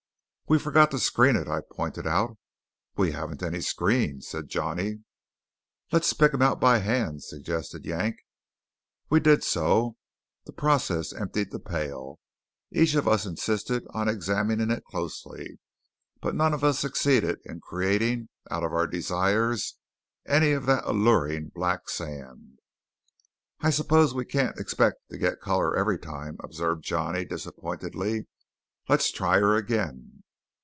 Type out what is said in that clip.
"We forgot to screen it," I pointed out. "We haven't any screen," said Johnny. "Let's pick 'em out by hand?" suggested Yank. We did so. The process emptied the pail. Each of us insisted on examining closely; but none of us succeeded in creating out of our desires any of that alluring black sand. "I suppose we can't expect to get colour every time?" observed Johnny disappointedly. "Let's try her again."